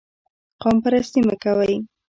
قوم پرستي مه کوئ